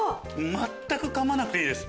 全くかまなくていいです。